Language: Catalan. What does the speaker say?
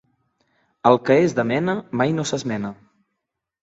El que és de mena mai no s'esmena.